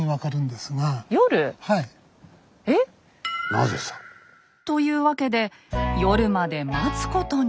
なぜさ？というわけで夜まで待つことに。